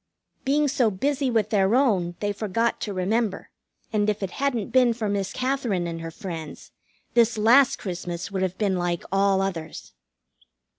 Being so busy with their own they forgot to remember, and if it hadn't been for Miss Katherine and her friends this last Christmas would have been like all others.